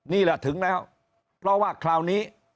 นี่แหละถึงแล้วเพราะว่าคราวนี้